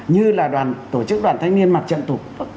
như là tổ chức đoàn thanh niên mặt trận tục